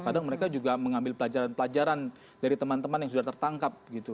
kadang mereka juga mengambil pelajaran pelajaran dari teman teman yang sudah tertangkap gitu